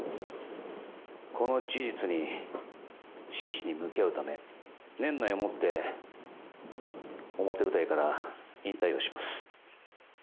この事実に真摯に向き合うため、年内をもって、表舞台から引退をします。